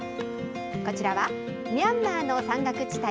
こちらはミャンマーの山岳地帯。